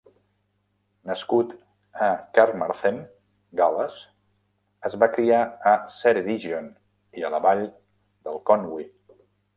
Nascut a Carmarthen, Gal·les, es va criar a Ceredigion i a la vall de Conwy.